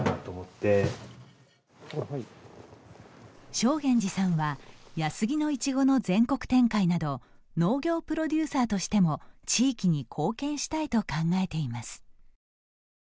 正源司さんは安来のいちごの全国展開など農業プロデューサーとしても地域に貢献したいと考えています。